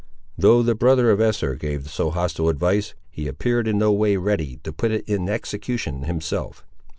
Though the brother of Esther gave so hostile advice, he appeared in no way ready to put it in execution himself.